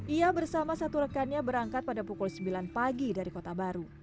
ia bersama satu rekannya berangkat pada pukul sembilan pagi dari kota baru